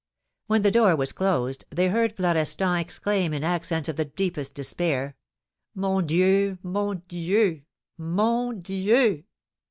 When the door was closed, they heard Florestan exclaim in accents of the deepest despair: "_Mon Dieu! Mon Dieu! Mon Dieu!